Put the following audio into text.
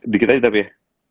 dikit aja tapi ya